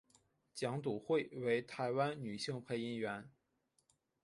蒋笃慧为台湾女性配音员。